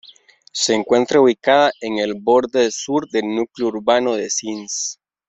Se encuentra ubicada en el borde sur del núcleo urbano de Sins.